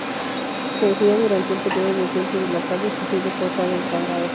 Se enfría durante un periodo de tiempo dilatado y se sirve cortado en cuadrados.